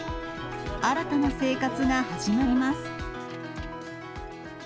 新たな生活が始まります。